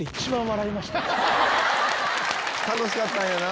楽しかったんやな。